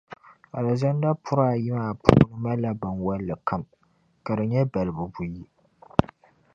Alizanda puri ayi maa puuni malila binwalli kam, ka di nyɛ balibu buyi.